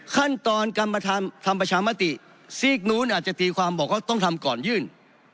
ขั้นตอนการทำประชามติซีกนู้นอาจจะตีความบอกว่าต้องทำก่อนยื่น